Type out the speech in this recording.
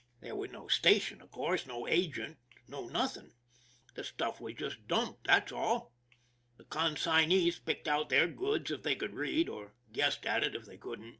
There was no station, of course, no agent, no nothing; the stuff was just dumped, that's all. The consignees picked out their goods if they could read, or guessed at it if they couldn't.